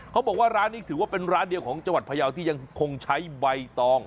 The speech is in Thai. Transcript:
เขาบอกว่าร้านนี้ถือว่าเป็นร้านเดียวของจังหวัดพยาวที่ยังคงใช้ใบตอง